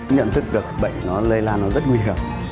nhận thức được bệnh lây là rất nguy hiểm